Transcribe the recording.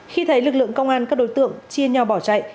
khi thấy lực lượng công an các đối tượng chia nhau bỏ chạy